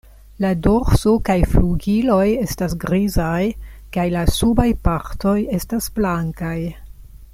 La dorso kaj flugiloj estas grizaj kaj la subaj partoj estas blankaj.